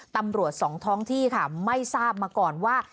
ตำรวจสองท้องที่ค่ะไม่ทราบมาก่อนว่า